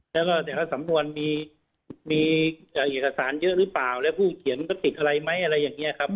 แล้วก็แต่ละสำนวนมีเอกสารเยอะหรือเปล่าแล้วผู้เขียนก็ติดอะไรไหมอะไรอย่างนี้ครับ